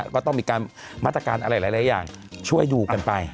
ก็ต้องมีการมาตรการอะไรหลายอย่างช่วยดูกันไป